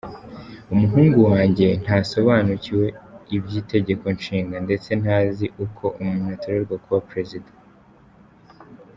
Umuhungu wanjye ntasobanukiwe iby’Itegeko Nshinga ndetse ntazi uko umuntu atorerwa kuba Perezida”.